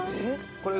これが。